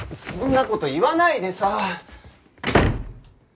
そんな事言わないでさ。